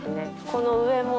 この上も。